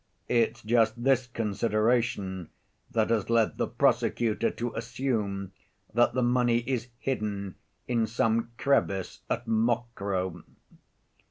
It's just this consideration that has led the prosecutor to assume that the money is hidden in some crevice at Mokroe.